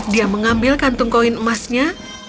dia mengambil kantung koin emasnya